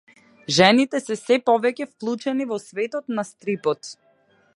Жените се сѐ повеќе вклучени во светот на стрипот.